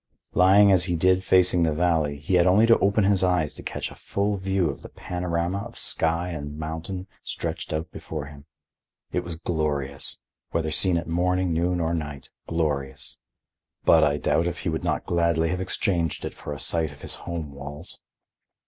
Lying as he did facing the valley, he had only to open his eyes to catch a full view of the panorama of sky and mountain stretched out before him. It was glorious; whether seen at morning, noon or night, glorious. But I doubt if he would not gladly have exchanged it for a sight of his home walls.